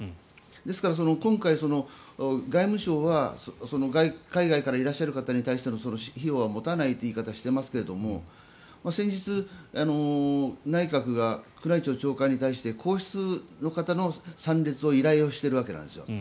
ですから、今回外務省は海外からいらっしゃる方に対しての費用は持たないという言い方をしていますが先日、内閣が宮内庁長官に対して皇室の方の参列を依頼しているわけなんですよ。